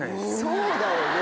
そうだよね。